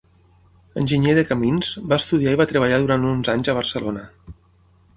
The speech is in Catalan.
Enginyer de camins, va estudiar i va treballar durant onze anys a Barcelona.